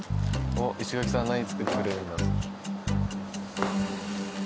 石垣さん何作ってくれるんだろう？